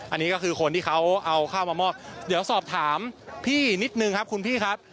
อันนี้ก็คือคนที่เขาเอาข้าวมามอบเดี๋ยวสอบถามพี่นิดนึงครับคุณพี่ครับ